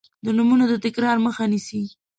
د نومونو د تکرار مخه نیسي.